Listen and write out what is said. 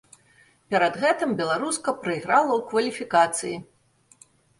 Перад гэтым беларуска прайграла ў кваліфікацыі.